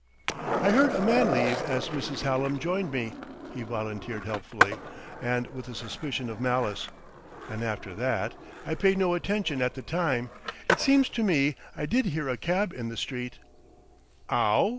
"I heard a man leave as Mrs. Hallam joined me," he volunteered helpfully, and with a suspicion of malice. "And after that I paid no attention at the time it seems to me I did hear a cab in the street " "Ow?"